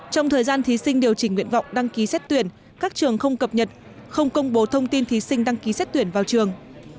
trong thời gian thí sinh điều chỉnh nguyện vọng đăng ký xét tuyển các trường không cập nhật không công bố thông tin thí sinh đăng ký xét tuyển vào trường